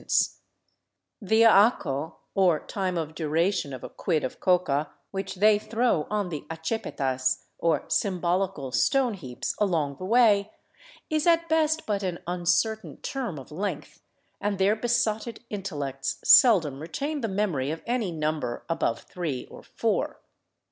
The acco, or time of duration of a quid of coca, which they throw on the achepetas, or symbolical stone heaps along the way, is at best but an uncertain term of length, and their besotted intellects seldom retain the memory of any number above three or four.